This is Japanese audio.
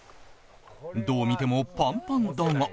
どう見てもパンパンだが